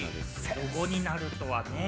ロゴになるとはね。